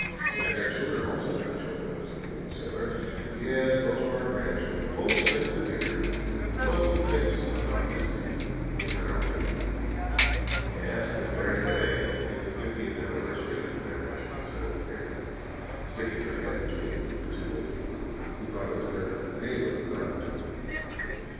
"'And their children also have children,' said the old sailor; 'yes, those are our grand children, full of strength and vigor. It was, methinks about this season that we had our wedding.' "'Yes, this very day is the fiftieth anniversary of the marriage,' said old Granny, sticking her head between the two old people; who thought it was their neighbor who nodded to them.